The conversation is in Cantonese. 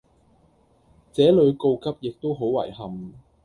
這裡告急亦都好遺憾